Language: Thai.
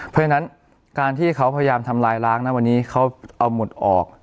เพราะฉะนั้นการที่เขาพยายามทำลายล้างนะวันนี้เขาเอาหมุดออก